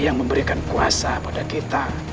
yang memberikan kuasa pada kita